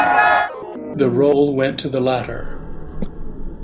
The role went to the latter.